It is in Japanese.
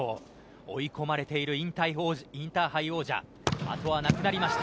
追い込まれているインターハイ王者後がなくなりました。